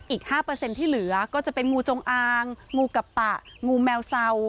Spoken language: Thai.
อีกห้าเปอร์เซ็นต์ที่เหลือก็จะเป็นงูจงอางงูกับปะงูแมวเศร้า